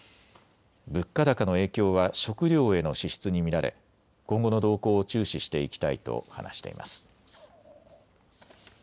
物価高の影響は食料への支出に見られ今後の動向を注視していきたいと話しています。